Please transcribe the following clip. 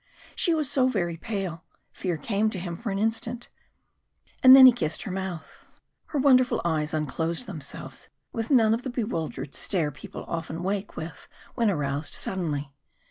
She was so very pale fear came to him for an instant and then he kissed her mouth. Her wonderful eyes unclosed themselves with none of the bewildered stare people often wake with when aroused suddenly.